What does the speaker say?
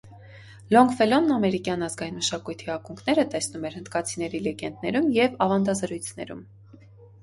Լոնգֆելլոն ամերիկյան ազգային մշակույթի ակունքները տեսնում էր հնդկացիների լեգենդներում ու ավանդազրույցներում։